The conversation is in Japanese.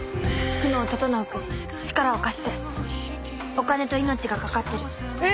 「久能整君力を貸して」「お金と命が懸かってる」